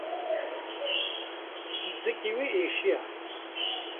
Zikê wî êşiya.